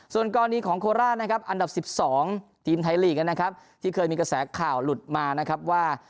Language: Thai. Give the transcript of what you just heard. ส่วนกรณีของโคราชนะครับอันดับ๑๒ทีมไทยลีกนะครับที่เคยมีกระแสข่าวหลุดมานะครับว่า